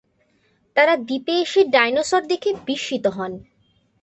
তারা দ্বীপে এসে ডাইনোসর দেখে বিস্মিত হন।